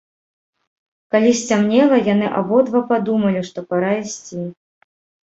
Калі сцямнела, яны абодва падумалі, што пара ісці.